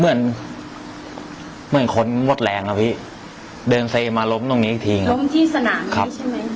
เหมือนเหมือนคนมดแรงนะพี่เดินเซมมาล้มตรงนี้อีกทีครับล้มที่สนามนี้ใช่ไหมครับ